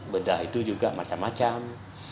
bedah itu juga macam macam